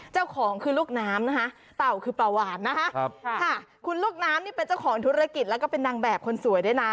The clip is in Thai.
เจ้าของคือลูกน้ำนะคะเต่าคือปลาหวานนะคะคุณลูกน้ำนี่เป็นเจ้าของธุรกิจแล้วก็เป็นนางแบบคนสวยด้วยนะ